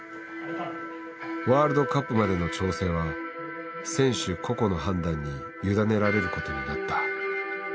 ワールドカップまでの調整は選手個々の判断に委ねられることになった。